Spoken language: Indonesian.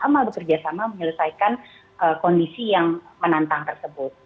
sama bekerja sama menyelesaikan kondisi yang menantang tersebut